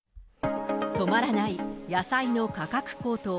止まらない野菜の価格高騰。